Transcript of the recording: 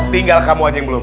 tinggal kamu aja yang belum